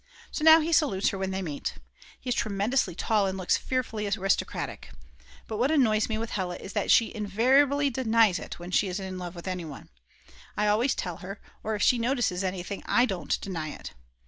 So now he salutes her when they meet. He is tremendously tall and looks fearfully aristocratic. But what annoys me with Hella is that she invariably denies it when she is in love with anyone. I always tell her, or if she notices anything I don't deny it.